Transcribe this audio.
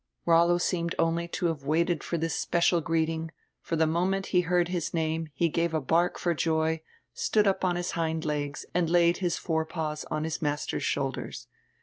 Rollo seemed only to have waited for tiiis special greet ing, for the moment he heard his name he gave a bark for joy, stood up on his hind legs and laid his forepaws on his master's shoulders.